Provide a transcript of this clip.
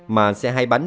mà xe hai bánh